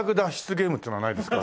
ゲームっていうのはないですか？